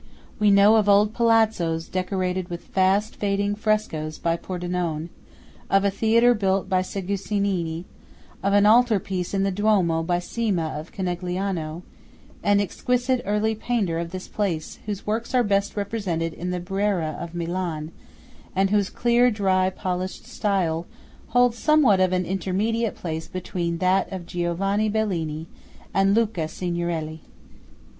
We know of old Palazzos decorated with fast fading frescoes by Pordenone; of a theatre built by Segusini; of an altar piece in the Duomo by Cima of Conegliano, an exquisite early painter of this place, whose works are best represented in the Brera of Milan, and whose clear, dry, polished style holds somewhat of an intermediate place between that of Giovanni Bellini and Luca Signorelli.